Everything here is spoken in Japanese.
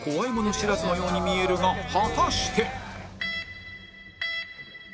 知らずのように見えるが果たして